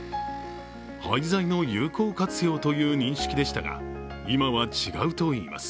廃材の有効活用という認識でしたが、今は違うといいます。